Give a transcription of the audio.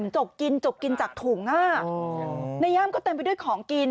จกกินจกกินจากถุงในย่ามก็เต็มไปด้วยของกิน